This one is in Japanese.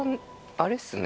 あれですね